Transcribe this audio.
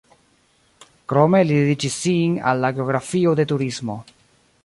Krome li dediĉis sin al la geografio de turismo.